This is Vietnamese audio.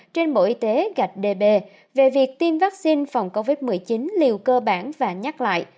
trên bộ y tế gạch db về việc tiêm vaccine phòng covid một mươi chín liều cơ bản và nhắc lại